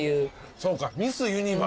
そうかミス・ユニバースか。